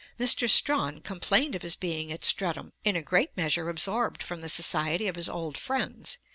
Mr. Strahan complained of his being at Streatham 'in a great measure absorbed from the society of his old friends' (ante, iii.